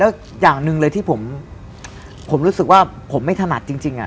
แล้วอย่างหนึ่งเลยที่ผมรู้สึกว่าผมไม่ถนัดจริง